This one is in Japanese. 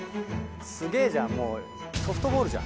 すげぇじゃんもうソフトボールじゃん。